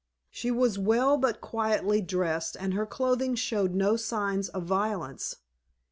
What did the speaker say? She was well but quietly dressed, and her clothing showed no signs of violence.